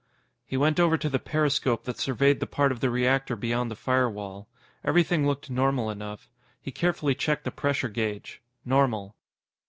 He went over to the periscope that surveyed the part of the reactor beyond the firewall. Everything looked normal enough. He carefully checked the pressure gauge. Normal.